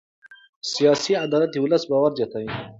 سیاسي عدالت د ولس باور زیاتوي